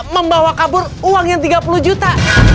membawa kabur uang yang tiga puluh juta